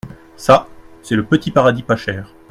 Ca, c’est le petit paradis pas cher.